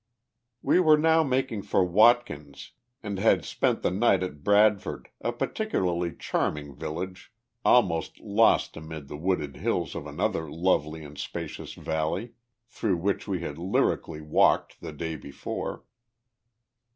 We were now making for Watkins, and had spent the night at Bradford, a particularly charming village almost lost amid the wooded hills of another lovely and spacious valley, through which we had lyrically walked the day before.